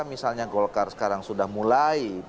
misalnya golkar sekarang sudah mulai